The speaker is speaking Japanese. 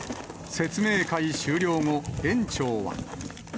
説明会終了後、園長は。